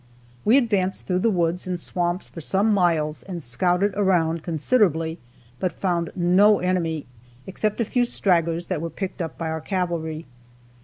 We advanced through the woods and swamps for some miles and scouted around considerably, but found no enemy, except a few stragglers that were picked up by our cavalry.